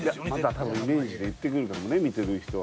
多分イメージで言ってくるかもね見てる人は。